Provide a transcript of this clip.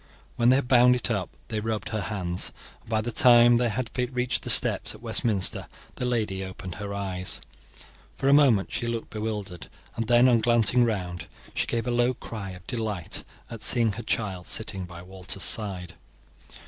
When they had bound it up they rubbed her hands, and by the time they had reached the steps at Westminster the lady opened her eyes. For a moment she looked bewildered, and then, on glancing round, she gave a low cry of delight at seeing her child sitting by Walter's side.